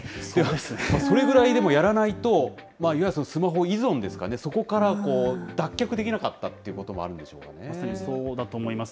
それぐらいでもやらないと、いわゆるスマホ依存ですかね、そこから脱却できなかったというこまさにそうだと思います。